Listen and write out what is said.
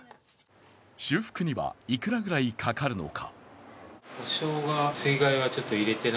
修復にはいくらぐらいかかるのか。